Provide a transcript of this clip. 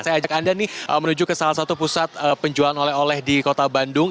saya ajak anda nih menuju ke salah satu pusat penjualan oleh oleh di kota bandung